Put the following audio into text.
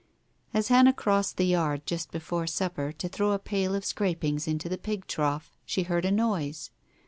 As Hannah crossed the yard, just before supper, to throw a pail of scrapings into the pig trough, she heard a noise.